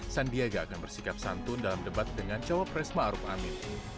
sandiaga akan bersikap santun dalam debat dengan jawab pres ma'ruf amin